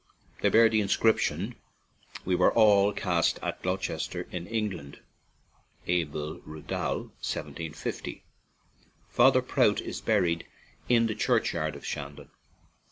They bear the inscription :" We were all cast at Gloucester, in England. — Abel Rudhall, 1750." " Father Prout " is buried in the church yard of Shandon.